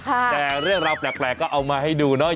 แต่เรื่องราวแปลกก็เอามาให้ดูเนาะ